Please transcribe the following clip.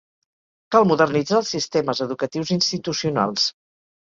Cal modernitzar els sistemes educatius institucionals.